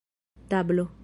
tablo